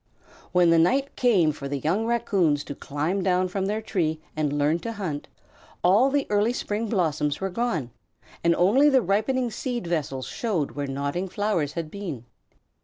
When the night came for the young Raccoons to climb down from their tree and learn to hunt, all the early spring blossoms were gone, and only the ripening seed vessels showed where nodding flowers had been.